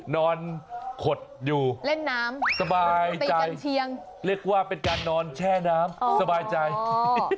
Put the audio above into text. นอนขดอยู่สบายใจเรียกว่าเป็นการนอนแช่น้ำสบายใจโอ้โฮ